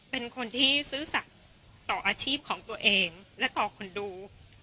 เป็นคนที่ซื่อสัตว์ต่ออาชีพของตัวเองและต่อคนดู